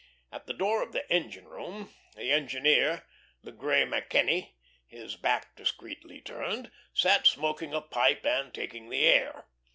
At the door of the engine room, the engineer the grey MacKenny, his back discreetly turned sat smoking a pipe and taking the air.